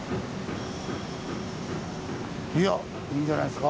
いやいいんじゃないですか。